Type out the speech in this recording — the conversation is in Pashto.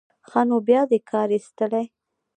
ښه نو بیا دې کار ایستلی.